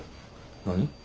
何？